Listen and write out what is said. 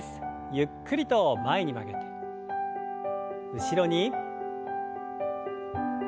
ゆっくりと前に曲げて後ろに。